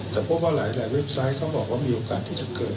แต่พบว่าหลายเว็บไซต์เขาบอกว่ามีโอกาสที่จะเกิด